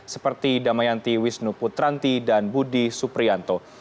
seperti damayanti wisnu putranti dan budi suprianto